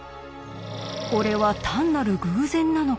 これは単なる偶然なのか？